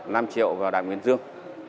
nam triệu và đại nguyên dương